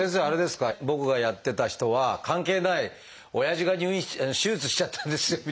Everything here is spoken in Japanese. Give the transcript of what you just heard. あれですか僕がやってた人は関係ない「おやじが手術しちゃったんですよ」